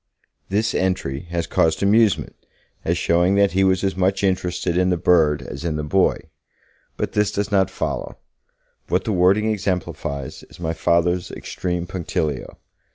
This entry has caused amusement, as showing that he was as much interested in the bird as in the boy. But this does not follow; what the wording exemplifies is my Father's extreme punctilio.